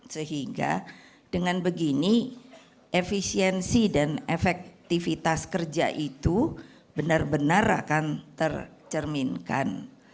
sehingga dengan begini efisiensi dan efektivitas kerja itu benar benar akan tercerminkan